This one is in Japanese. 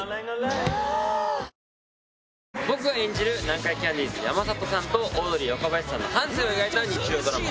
ぷはーっ僕が演じる南海キャンディーズ・山里さんとオードリー・若林さんの半生を描いた日曜ドラマ。